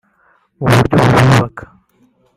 mu buryo bububaka